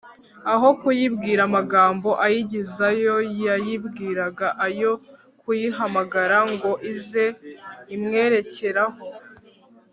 aho kuyibwira amagambo ayigizayo, yayibwiraga ayo kuyihamagara ngo ize imwerekeraho